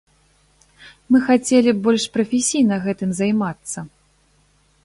Мы хацелі б больш прафесійна гэтым займацца.